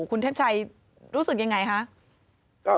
คุณเทพชัยรู้สึกยังไงคะ